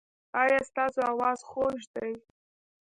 ایا ستاسو اواز خوږ دی؟